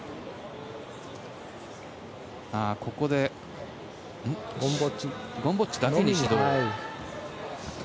ここでゴムボッチだけに指導。